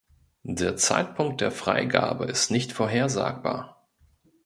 Der Zeitpunkt der Freigabe ist nicht vorhersagbar.